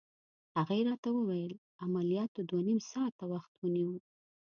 هغې راته وویل: عملياتو دوه نيم ساعته وخت ونیو.